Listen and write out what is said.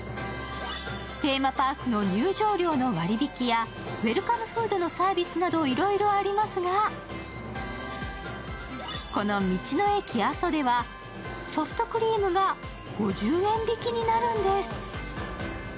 テーマパークの入場料の割引やウェルカムフードのサービスなどいろいろありますがこの道の駅阿蘇ではソフトクリームが５０円引きになるんです。